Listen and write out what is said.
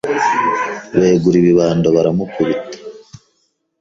begura ibibando baramukubita